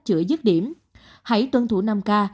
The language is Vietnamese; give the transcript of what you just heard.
chữa dứt điểm hãy tuân thủ năm ca